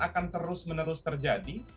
akan terus menerus terjadi